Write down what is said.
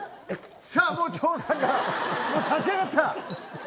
さあ、もう張さんが、立ち上がった。